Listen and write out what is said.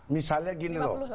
misalnya gini loh